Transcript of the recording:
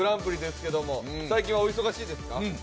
最近はお忙しいですか？